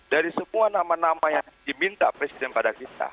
dari semua nama nama yang diminta presiden pada kita